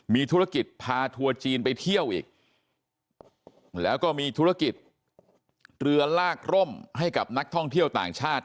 มีธุรกิจพาทัวร์จีนไปเที่ยวอีกแล้วก็มีธุรกิจเรือลากร่มให้กับนักท่องเที่ยวต่างชาติ